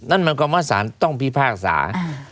นั่นมันความอาศาลต้องพิพากษา